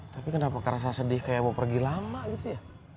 tapi kenapa kerasa sedih kayak mau pergi lama gitu ya